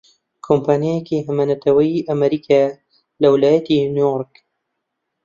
کۆمپانیایەکی هەمەنەتەوەیی ئەمریکییە لە ویلایەتی نیویۆرک